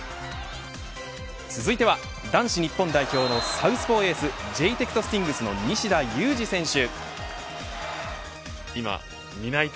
続いては男子日本代表のサウスポーエースジェイテクトスティングスの西田有志選手。